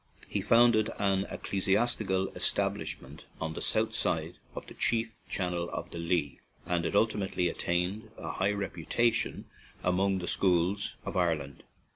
He found ed an ecclesiastical establishment on the south side of the chief channel of the Lee, and it ultimately attained to a high rep utation among the schools of Ireland.